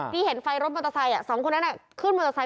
เห็นไฟรถมอเตอร์ไซค์สองคนนั้นขึ้นมอเตอร์ไซค